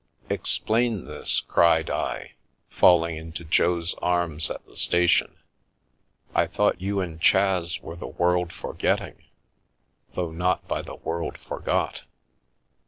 " Explain this," cried I, falling into Jo's arms at the station. " I thought you and Chas were the world for getting, though not by the world forgot."